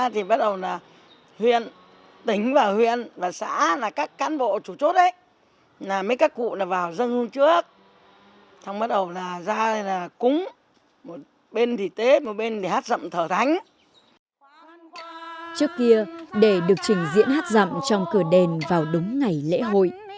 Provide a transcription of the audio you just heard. trước kia để được trình diễn hát dạm trong cửa đền vào đúng ngày lễ hội